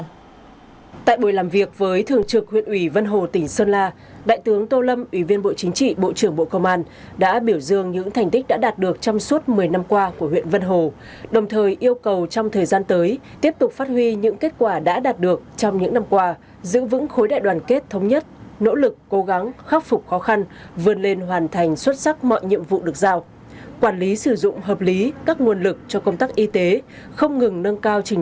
nhân kỷ niệm một mươi năm thành lập huyện vân hồ tỉnh sơn la ngày hôm nay đại tướng tô lâm ủy viên bộ chính trị bộ trưởng bộ công an cùng đoàn công tác đã tới thăm và tặng quà thường trực huyện uỷ vân hồ trung tâm y tế huyện vân hồ